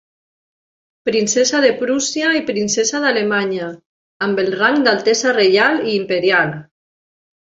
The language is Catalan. Princesa de Prússia i princesa d'Alemanya, amb el rang d'altesa reial i imperial.